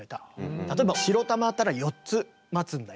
例えば白玉あったら４つ待つんだよとか。